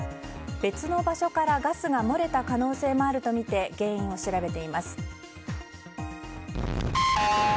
別の場所からガスが漏れた可能性もあるとみて原因を調べています。